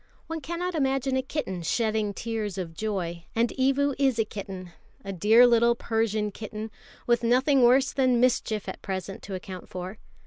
One cannot imagine a kitten shedding tears of joy; and Evu is a kitten, a dear little Persian kitten, with nothing worse than mischief at present to account for.